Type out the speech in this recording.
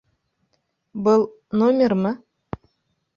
Был... номермы?